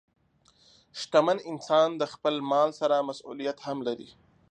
شتمن انسان د خپل مال سره مسؤلیت هم لري.